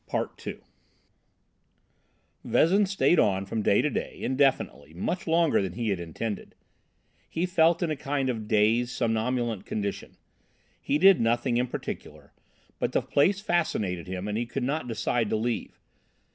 II Vezin stayed on from day to day, indefinitely, much longer than he had intended. He felt in a kind of dazed, somnolent condition. He did nothing in particular, but the place fascinated him and he could not decide to leave.